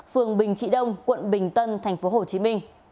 phường bình trị đông quận bình tân tp hcm